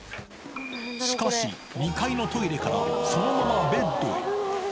しかし、２階のトイレからそのままベッドへ。